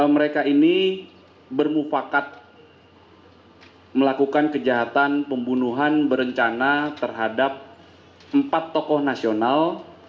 mereka ini bermufakat melakukan kejahatan pembunuhan berencana terhadap empat tokoh nasional